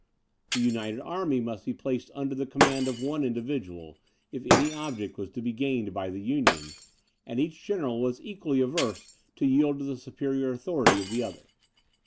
The united army must be placed under the command of one individual, if any object was to be gained by the union, and each general was equally averse to yield to the superior authority of the other.